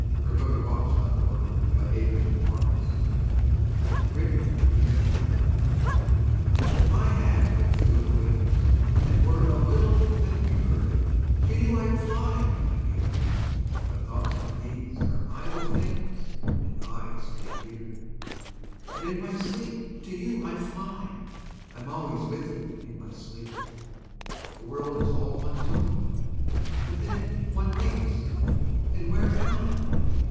SOMETHING CHILDISH, BUT VERY NATURAL[313:1] WRITTEN IN GERMANY If I had but two little wings And were a little feathery bird, To you I'd fly, my dear! But thoughts like these are idle things, And I stay here. 5 But in my sleep to you I fly: I'm always with you in my sleep! The world is all one's own. But then one wakes, and where am I?